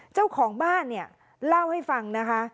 เจ้าของบ้านเนี่ยเล่าให้ฟังนะคะ